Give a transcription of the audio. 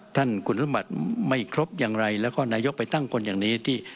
ท่านคุณสมบัติไม่ครบอย่างไรแล้วก็นายกไปตั้งคนอย่างนี้ที่